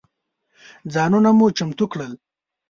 ځانونه مو چمتو کړل.